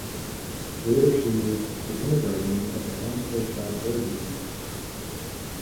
Later she moved to kindergarten of the Hampstead Child Therapy Clinic.